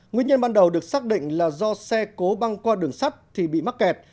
nguyên nhân ban đầu được xác định là do xe cố băng qua đường sắt thì bị mắc kẹt